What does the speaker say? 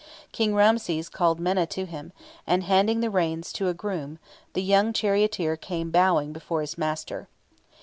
King Ramses called Menna to him, and, handing the reins to a groom, the young charioteer came bowing before his master.